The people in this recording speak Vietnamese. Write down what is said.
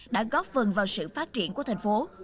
đã góp phần vào sự phát triển của thành phố